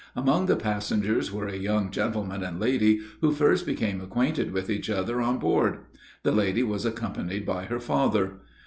Among the passengers were a young gentleman and lady, who first became acquainted with each other on board. The lady was accompanied by her father.